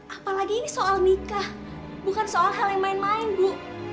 apalagi ini soal nikah bukan soal hal yang main main bu